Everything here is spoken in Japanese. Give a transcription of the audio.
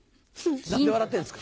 何で笑ってるんですか？